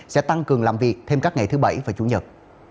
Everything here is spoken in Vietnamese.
sẽ tăng cường làm việc thêm các ngày thứ bảy và chủ nhật